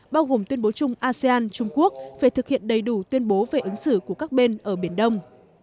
bao gồm tuyên bố chung asean trung quốc về thực hiện đầy đủ tuyên bố về ứng xử của các bên ở biển đông